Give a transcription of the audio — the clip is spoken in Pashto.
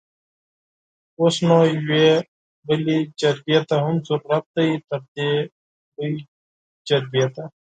اوس نو يوې بلې جرګې ته هم ضرورت دی؛ تردې لويې جرګې ته!